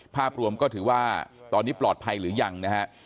ภาพรวมก็ถือว่าตอนนี้ปลอดภัยหรือยังนะฮะ